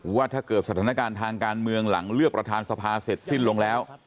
ว่าถ้าเกิดสถานการณ์ทางการเมืองหลังเลือกประธานสภาเสร็จสิ้นลงแล้ว